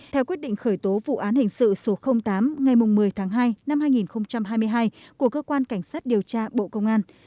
theo quyết định khởi tố vụ án hình sự số tám ngày một mươi tháng hai năm hai nghìn hai mươi hai của cơ quan cảnh sát điều tra bộ công an